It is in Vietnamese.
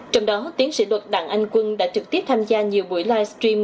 trong đó tiến sĩ luật đặng anh quân đã trực tiếp tham gia nhiều buổi live stream